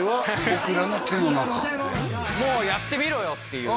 「もうやってみろよ！」っていう